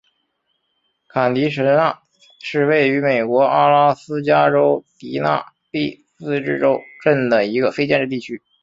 坎蒂什纳是位于美国阿拉斯加州迪纳利自治市镇的一个非建制地区。